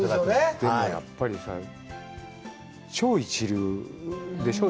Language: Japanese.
でも、やっぱりさ、超一流でしょう。